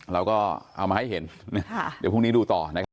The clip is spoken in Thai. เราก็เอามาให้เห็นเดี๋ยวพรุ่งนี้ดูต่อนะครับ